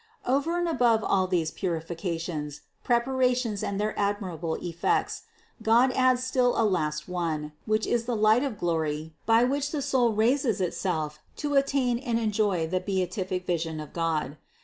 629. Over and above all these purifications, prepara tions and their admirable effects, God adds still a last one, which is the light of glory by which the soul raises itself to attain and enjoy the beatific vision of God.